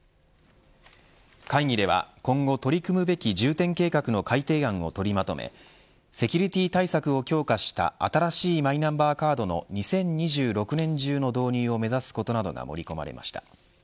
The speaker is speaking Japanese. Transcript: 会議では、今後取り組むべき重点計画の改定案を取りまとめセキュリティー対策を強化した新しいマイナンバーカードの２０２６年中の導入を目指すことなどが盛り込まれました。